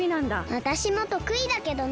わたしもとくいだけどね。